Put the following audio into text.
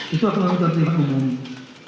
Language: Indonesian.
itu adalah ketertiban umum